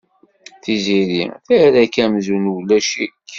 Tiziri terra-k amzun ulac-ik.